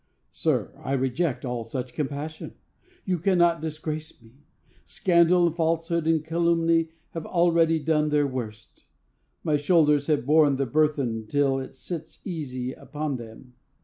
Sir, I reject all such compassion. You cannot disgrace me. Scandal and falsehood and calumny have already done their worst. My shoulders have borne the burthen till it sits easy upon them.